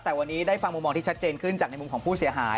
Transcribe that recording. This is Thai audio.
แต่วันนี้ได้ฟังมุมมองที่ชัดเจนขึ้นจากในมุมของผู้เสียหาย